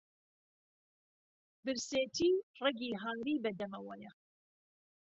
برسێتی ڕهگی هاری بهدهمهوهیه